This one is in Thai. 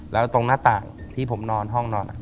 แล้วตรงหน้าต่างที่ผมนอนห้องนอน